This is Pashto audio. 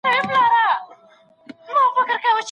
د کورنۍ او خپل ځان په اړه تل ژور فکر وکړئ.